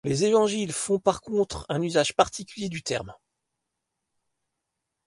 Les Évangiles font par contre un usage particulier du terme.